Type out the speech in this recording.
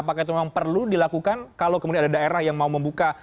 apakah itu memang perlu dilakukan kalau kemudian ada daerah yang mau membuka